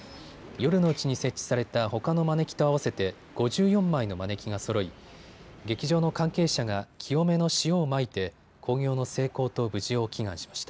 夜のうちに設置されたほかのまねきと合わせて５４枚のまねきがそろい劇場の関係者が清めの塩をまいて興行の成功と無事を祈願しました。